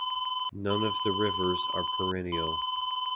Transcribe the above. None of the rivers are perennial.